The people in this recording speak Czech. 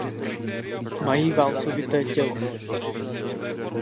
Mají válcovité tělo.